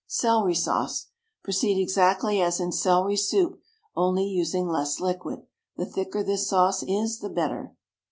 CELERY SAUCE. Proceed exactly as in celery soup, only using less liquid. The thicker this sauce is the better.